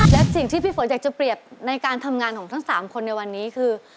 และสิ่งที่พี่ฝนอยากจะเปรียบในการทำงานของทั้ง๓คนในวันนี้คือ